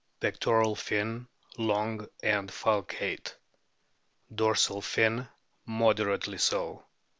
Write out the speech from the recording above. Pectoral fin long and falcate ; dorsal fin moderately so.